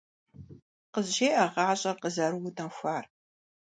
КъызжеӀэ гъащӀэр къызэрыунэхуар!